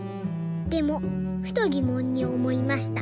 でもふとぎもんにおもいました。